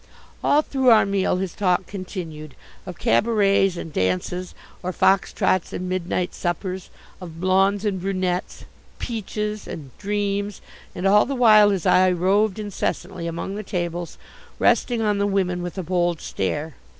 All through our meal his talk continued: of cabarets and dances, or fox trots and midnight suppers, of blondes and brunettes, "peaches" and "dreams," and all the while his eye roved incessantly among the tables, resting on the women with a bold stare.